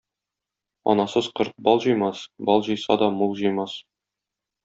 Анасыз корт бал җыймас, бал җыйса да мул җыймас.